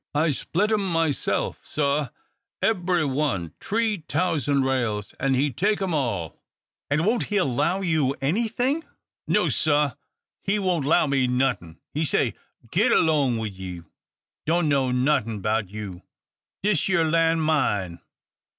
"I split 'em myself, sah; ebry one, t'ree t'ousand rails! and he take 'em all!" "And won't he allow you any thing?" "No, sah: he won't 'low me not'ing. He say, 'Get along wid you! don't know not'ing 'bout you! dis yer land mine.'